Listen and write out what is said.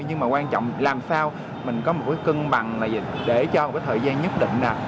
nhưng mà quan trọng làm sao mình có một cái cân bằng là gì để cho một cái thời gian nhất định